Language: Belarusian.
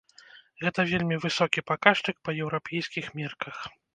Гэта вельмі высокі паказчык па еўрапейскіх мерках.